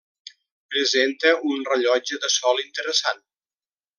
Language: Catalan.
Presenta un rellotge de sol interessant.